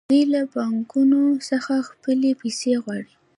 دوی له بانکونو څخه خپلې پیسې غواړي